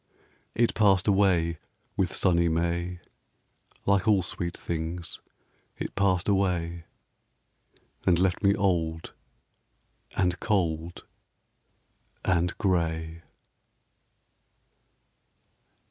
It passed away with sunny May, Like all sweet things it passed away, And left me old, and cold, and gray.